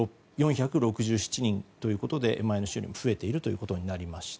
４６７人ということで前の週より増えていることになりました。